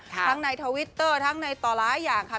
ทั้งในทวิตเตอร์ทั้งในต่อหลายอย่างค่ะ